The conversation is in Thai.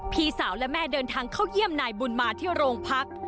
พี่สาวและแม่เดินทางเข้าเยี่ยมนายบุญมาที่โรงพัก